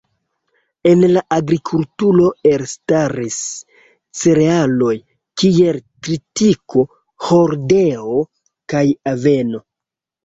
En la agrikulturo elstaris cerealoj kiel tritiko, hordeo kaj aveno.